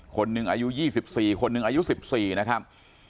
คนหนึ่งอายุ๒๔คนหนึ่งอายุ๑๔นะครับ